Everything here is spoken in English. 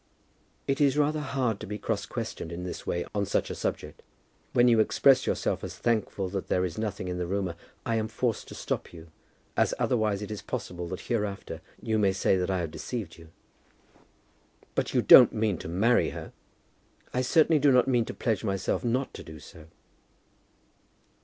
"It is rather hard to be cross questioned in this way on such a subject. When you express yourself as thankful that there is nothing in the rumour, I am forced to stop you, as otherwise it is possible that hereafter you may say that I have deceived you." "But you don't mean to marry her?" "I certainly do not mean to pledge myself not to do so."